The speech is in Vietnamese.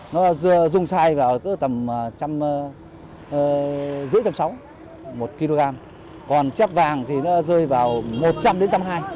nó rung sai vào tầm giữa tầm sáu một kg còn chép vàng thì nó rơi vào một trăm linh đến một trăm hai mươi